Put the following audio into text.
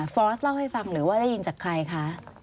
อสเล่าให้ฟังหรือว่าได้ยินจากใครคะ